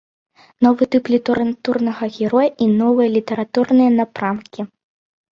Новы тып літаратурнага героя і новыя літаратурныя напрамкі.